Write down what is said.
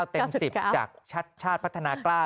เต็ม๑๐จากชัดชาติพัฒนากล้า